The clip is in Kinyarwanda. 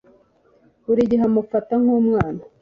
Buri gihe amfata nkumwana